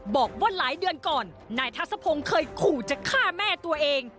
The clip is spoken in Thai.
บอกว่าหลายเดือนก่อนนายทัศพงศ์เคยขู่จะฆ่าแม่ตัวเอง